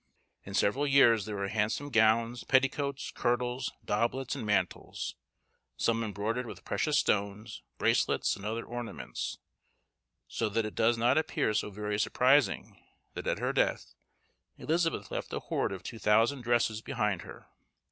In several years there are handsome gowns, petticoats, kirtles, doblets, and mantles, some embroidered with precious stones, bracelets, and other ornaments; so that it does not appear so very surprising that at her death, Elizabeth left a hoard of 2000 dresses behind her.